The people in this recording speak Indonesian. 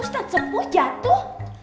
ustadz sepuh jatuh